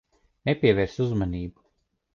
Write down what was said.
Nepievērs uzmanību.